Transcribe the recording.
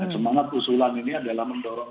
semangat usulan ini adalah mendorong